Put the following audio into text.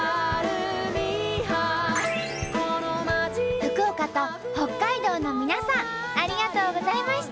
福岡と北海道の皆さんありがとうございました！